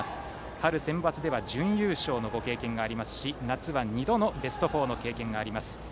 春のセンバツでは準優勝のご経験がありますし夏は２度のベスト４の経験があります。